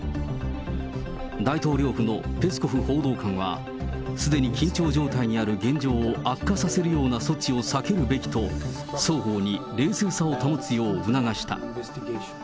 大統領府のペスコフ報道官は、すでに緊張状態にある現状を悪化させるような措置を避けるべきと、双方に冷静さを保つよう促した。